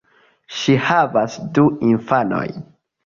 Ŝi havas du infanojn.